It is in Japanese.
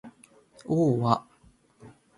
を―あ